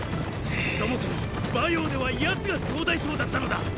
そもそも馬陽では奴が総大将だったのだ！